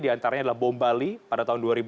di antaranya adalah bom bali pada tahun dua ribu dua